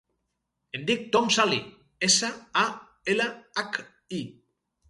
Em dic Tom Salhi: essa, a, ela, hac, i.